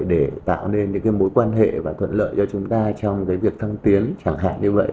để tạo nên những cái mối quan hệ và thuận lợi cho chúng ta trong cái việc thăng tiến chẳng hạn như vậy